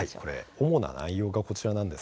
主な内容がこちらです。